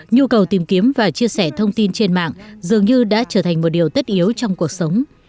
nhu cầu tìm kiếm và chia sẻ thông tin trên mạng dường như đã trở thành một điều tất yếu trong cuộc sống